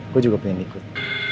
gue juga pengen ikut